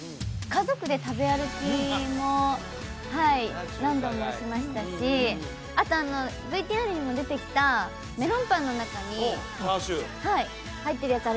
家族で食べ歩きも何度もしましたしあとＶＴＲにも出てきたメロンパンの中に叉焼はい入ってるやつ